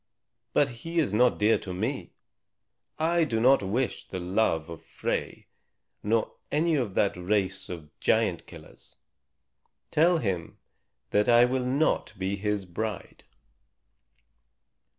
But he is not dear to me. I do not wish the love of Frey, nor any of that race of giant killers. Tell him that I will not be his bride."